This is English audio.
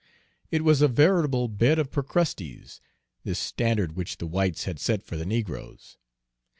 It was a veritable bed of Procrustes, this standard which the whites had set for the negroes.